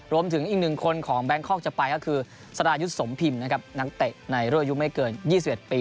รวมถึงอีกหนึ่งคนของแบงคอกจะไปก็คือสรายุทธ์สมพิมพ์นะครับนักเตะในรุ่นอายุไม่เกิน๒๑ปี